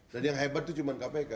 dan yang hebat itu cuma kpk